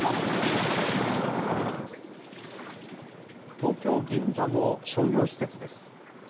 東京・銀座の商業施設です。